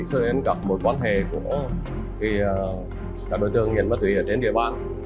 sở hữu đến các mối quan hệ của các đối tượng nghiện ma túy ở trên địa bàn